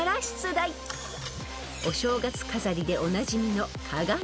［お正月飾りでおなじみの］